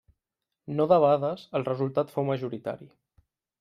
No debades, el resultat fou majoritari.